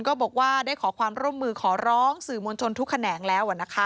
ก็บอกว่าได้ขอความร่วมมือขอร้องสื่อมวลชนทุกแขนงแล้ว